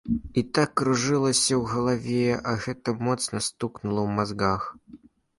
І так кружылася ў галаве, а гэта моцна стукнула ў мазгах.